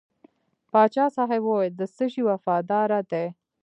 پاچا صاحب وویل د څه شي وفاداره دی.